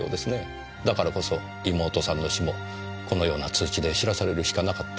だからこそ妹さんの死もこのような通知で知らされるしかなかった。